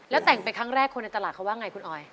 แล้วแต่งไปครั้งแรกคนในตลาดเขาว่าไงคุณออย